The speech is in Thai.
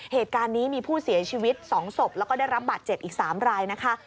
เหตุการณ์นี้มีผู้เสียชีวิต๒ศพแล้วก็ได้รับบาดเจ็บอีก๓รายนะคะ